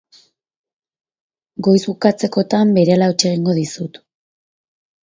Goiz bukatzekotan, berehala hots egingo dizut.